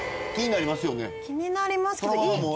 気になりますけど。